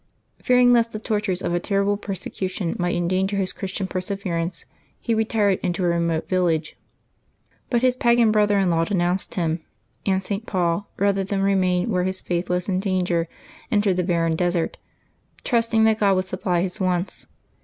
Fearing lest the tortures of a terrible persecution might endanger his Christian perseverance, he retired into a remote village. But his pagan brother in law denounced him, and St. Paul^ rather than remain where his faith was in danger, entered the barren desert, trusting that God would supply his wants.